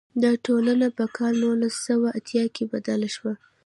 دا ټولنه په کال نولس سوه اتیا کې بدله شوه.